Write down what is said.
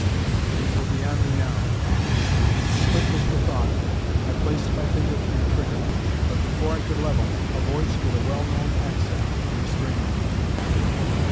"It will be on me now!" Quick as the thought, I placed my finger to the trigger but before I could level, a voice, with a well known accent, restrained me.